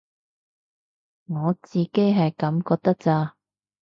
我自己係噉覺得咋